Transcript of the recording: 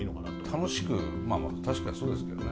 楽しくまあまあ確かにそうですけどね。